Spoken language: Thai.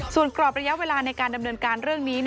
ส่วนกรอบระยะเวลาในการดำเนินการเรื่องนี้